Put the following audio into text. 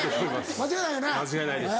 間違いないです。